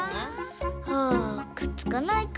あくっつかないか。